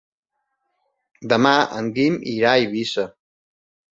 Demà en Guim irà a Eivissa.